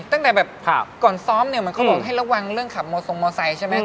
ตั้งแต่แบบก่อนซ้อมเนี่ยเหมือนเขาบอกให้ระวังเรื่องขับมอทรงมอไซค์ใช่ไหม